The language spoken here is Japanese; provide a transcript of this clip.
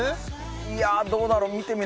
いやどうだろう？